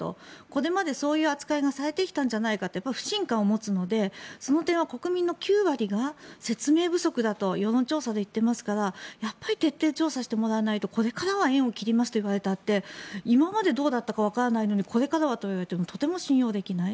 これまでそういう扱いがされてきたんじゃないかと不信感を持つのでその点は国民の９割が説明不足だと世論調査で言っていますからやっぱり徹底調査してもらわないとこれからは縁を切りますと言われたって今までどうだったかわからないのにこれからはと言われてもとても信用できない。